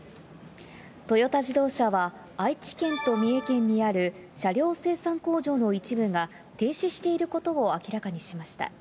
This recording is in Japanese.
トヨタ自動車は、愛知県と三重県にある車両生産工場の一部が停止していることを明らかにしました。